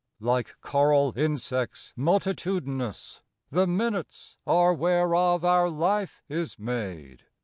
IKE coral insects multitudinous The minutes are whereof our life is made.